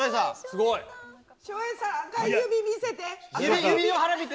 照英さん、指の腹見せて。